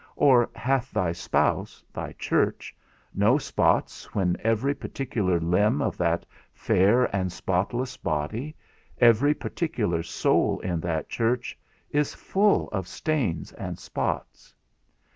or hath thy spouse, thy church, no spots, when every particular limb of that fair and spotless body, every particular soul in that church, is full of stains and spots?